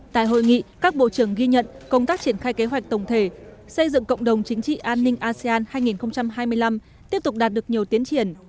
tại hội nghị các bộ trưởng ghi nhận công tác triển khai kế hoạch tổng thể xây dựng cộng đồng chính trị an ninh asean hai nghìn hai mươi năm tiếp tục đạt được nhiều tiến triển